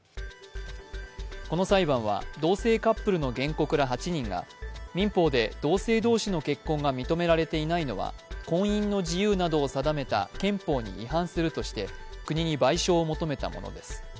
この裁判は同性カップルの原告ら８人が民法で同性同士の結婚が認められていないのは婚姻の自由などを定めた憲法に違反するとして国に賠償を求めたものです。